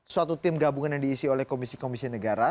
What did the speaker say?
suatu tim gabungan yang diisi oleh komisi komisi negara